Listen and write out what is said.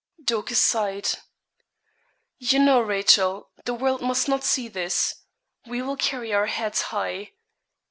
Dorcas sighed. 'You know, Rachel, the world must not see this we will carry our heads high.